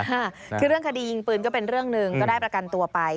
ค่ะคือเรื่องคดียิงปืนก็เป็นเรื่องหนึ่งก็ได้ประกันตัวไป